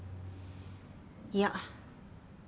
いや。